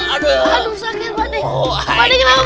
aduh pak kian kenapa